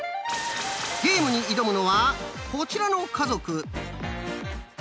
ゲームに挑むのはこちらの家族。